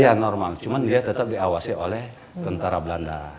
iya normal cuma dia tetap diawasi oleh tentara belanda